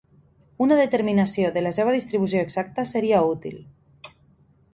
Una determinació de la seva distribució exacta seria útil.